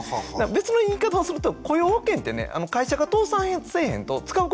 別の言い方をすると雇用保険ってね会社が倒産せえへんと使うことないんですよ。